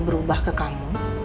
berubah ke kamu